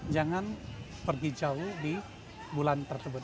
jangan pergi jauh di bulan tersebut